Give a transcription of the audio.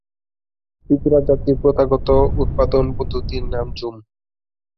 ত্রিপুরা জাতির প্রথাগত উৎপাদন পদ্ধতির নাম জুম।